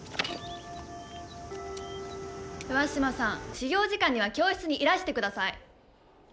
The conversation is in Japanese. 上嶋さん、始業時間には教室にいらしてください！